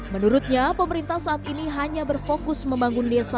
menurutnya pemerintah saat ini hanya berfokus membangun desa